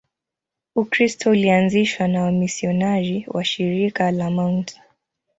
Ukristo ulianzishwa na wamisionari wa Shirika la Mt.